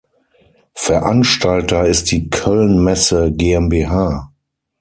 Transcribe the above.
Veranstalter ist die Koelnmesse GmbH.